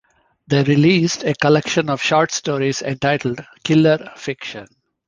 They released a collection of short stories entitled "Killer Fiction".